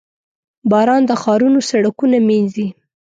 • باران د ښارونو سړکونه مینځي.